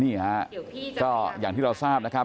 นี่นี่ครับก็อย่างที่เราทราบนะครับ